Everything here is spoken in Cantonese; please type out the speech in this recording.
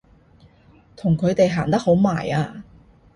同佢哋行得好埋啊！